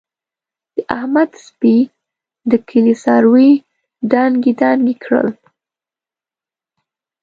د احمد سپي د کلي څاروي دانګې دانګې کړل.